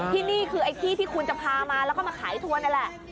ที่นี่คือไอ้ที่ที่คุณจะพามาแล้วก็มาขายทัวร์นั่นแหละ